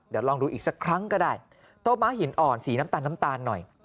เดี๋ยวลองดูอีกสักครั้งก็ได้โตม้าหินอ่อนสีน้ำตาลน้ำตาลหน่อย